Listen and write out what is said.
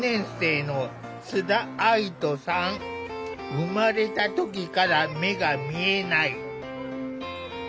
生まれた時から目が見えない。